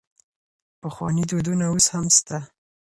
پخواني دودونه اوس هم سته.